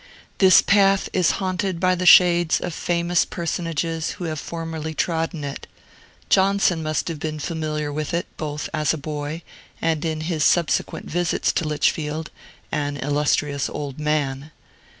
This path is haunted by the shades of famous personages who have formerly trodden it. Johnson must have been familiar with it, both as a boy, and in his subsequent visits to Lichfield, an illustrious old man.